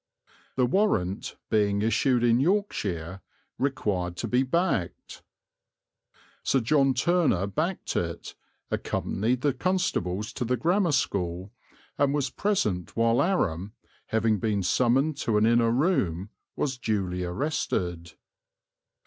The warrant, being issued in Yorkshire, required to be backed. Sir John Turner backed it, accompanied the constables to the Grammar School, and was present while Aram, having been summoned to an inner room, was duly arrested.